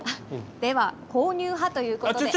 では購入派ということで。